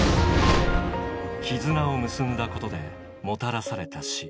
絆を結んだことでもたらされた死。